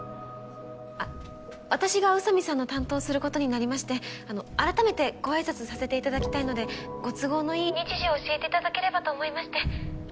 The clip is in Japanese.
あっ私が宇佐美さんの担当をすることになりましてあの改めてご挨拶させていただきたいのでご都合のいい日時を教えていただければと思いまして。